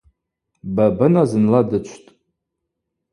Бабына зынла дычвтӏ.